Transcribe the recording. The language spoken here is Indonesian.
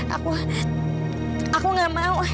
aku gak mau